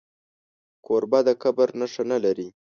کوربه د کبر نښه نه لري.